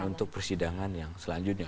untuk persidangan yang selanjutnya